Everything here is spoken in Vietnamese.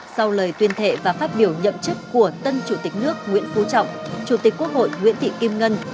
sau lời tuyên thệ và phát biểu nhậm chức của tân chủ tịch nước nguyễn phú trọng chủ tịch quốc hội nguyễn thị kim ngân